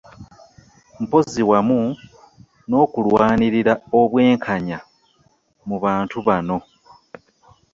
Mpozzi wamu n'okulwanirira obwenkanya mu bantu bano.